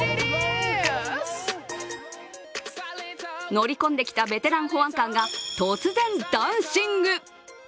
乗り込んできたベテラン保安官が突然ダンシング！